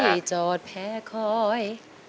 ที่จอดแพ้คอย